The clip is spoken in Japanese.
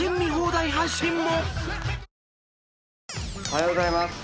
おはようございます。